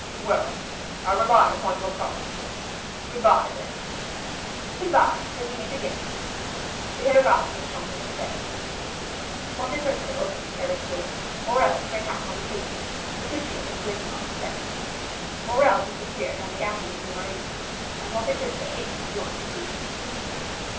"Well, I rely upon your promise. Good bye, then." "Good bye, till we meet again." They had arrived in the Champs Élysées. Monte Cristo opened the carriage door, Morrel sprang out on the pavement, Bertuccio was waiting on the steps. Morrel disappeared down the Avenue de Marigny, and Monte Cristo hastened to join Bertuccio.